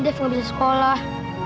dev gak bisa sekolah